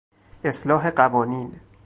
اصلاح قوانین